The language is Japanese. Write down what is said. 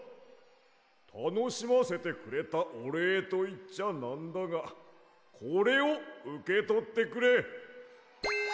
たのしませてくれたおれいといっちゃなんだがこれをうけとってくれ。